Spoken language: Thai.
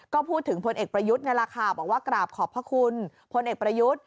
ก็พูดถึงพลเอกประยุทธ์นี่แหละค่ะบอกว่ากราบขอบพระคุณพลเอกประยุทธ์